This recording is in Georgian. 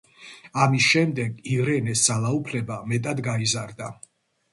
ამის შემდეგ, ირენეს ძალაუფლება მეტად გაიზარდა.